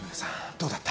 どうだった？